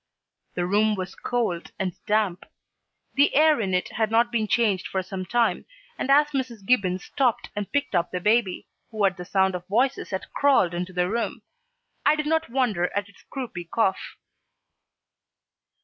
The room was cold and damp. The air in it had not been changed for some time, and as Mrs. Gibbons stopped and picked up the baby, who at the sound of voices had crawled into the room, I did not wonder at its croupy cough.